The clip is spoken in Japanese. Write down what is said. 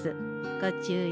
ご注意